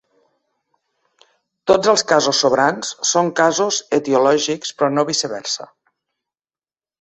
Tots els casos sobrants són casos etiològics, però no viceversa.